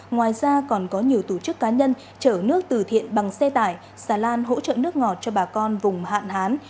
ngoài ra còn có nhiều tổ chức cá nhân chở nước từ thiện bằng xe tải xà lan hỗ trợ nước ngọt cho bà con vùng hạn hán